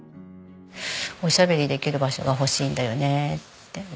おしゃべりできる場所が欲しいんだよねって。